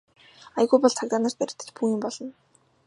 Аягүй бол цагдаа нарт баригдаж бөөн юм болно.